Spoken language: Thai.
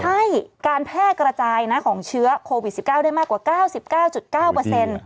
ใช่การแพร่กระจายของเชื้อโควิด๑๙ได้มากกว่า๙๙๙